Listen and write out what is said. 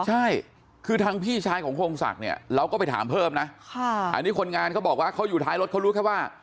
ใช่คือทางพี่ชายของโครงศักดิ์เนี่ยเราก็ไปถามเพิ่มนะอันนี้คนงานเขาบอกว่าเขาอยู่ท้ายรถเขารู้แค่ว่า